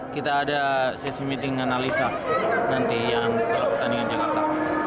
kita ada sesi meeting analisa nanti yang setelah pertandingan jakarta